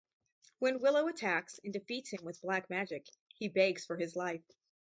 When Willow attacks and defeats him with black magic, he begs for his life.